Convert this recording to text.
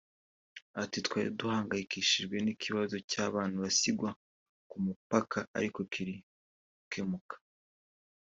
Ati “ Twari duhangayikishijwe n’ikibazo cy’abana basigwaga ku mupaka ariko kiri gukemuka